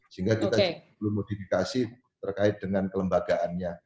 sehingga kita belum modifikasi terkait dengan kelembagaannya